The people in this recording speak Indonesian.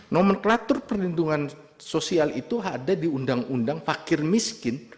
nomenklatur perlindungan sosial itu ada di undang undang fakir miskin